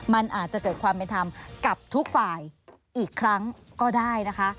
มันอาจจะเกิดความเป็นธรรมกับทุกฝ่ายอีกครั้งก็ได้นะคะ